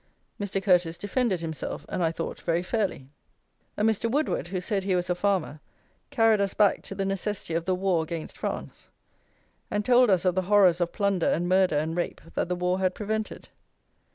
Mr. Curteis defended himself, and I thought very fairly. A Mr. Woodward, who said he was a farmer, carried us back to the necessity of the war against France; and told us of the horrors of plunder and murder and rape that the war had prevented.